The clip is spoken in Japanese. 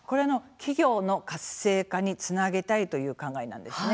企業の活性化につなげたいという考えなんですね。